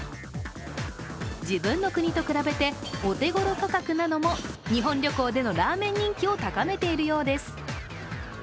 自分の国と比べて、お手ごろ価格なのも日本旅行でのラーメン人気を高めているようです。